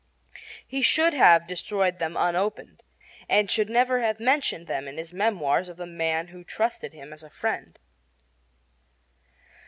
He should have destroyed them unopened, and should never have mentioned them in his memoirs of the man who trusted him as a friend.